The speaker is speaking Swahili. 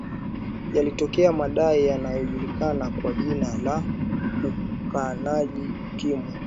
yalitokea madai yanayojulikana kwa jina la ukanaji ukimwi